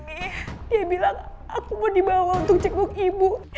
dia bilang aku mau dibawa untuk cek buku ibu